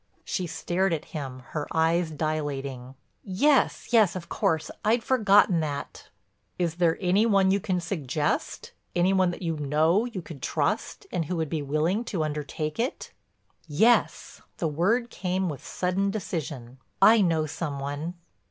She stared at him, her eyes dilating: "Yes, yes, of course. I'd forgotten that." "Is there any one you can suggest—any one that you know you could trust and who would be willing to undertake it?" "Yes," the word came with a sudden decision. "I know some one."